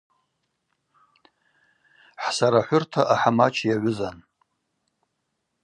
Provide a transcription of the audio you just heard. Хӏсарахӏвырта ахӏамач йагӏвызан.